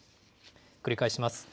繰り返します。